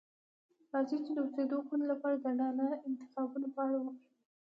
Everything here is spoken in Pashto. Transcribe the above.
راځئ چې د اوسیدو خونې لپاره د رڼا انتخابونو په اړه وغږیږو.